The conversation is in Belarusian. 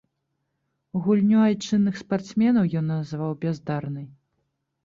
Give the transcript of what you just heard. Гульню айчынных спартсменаў ён назваў бяздарнай.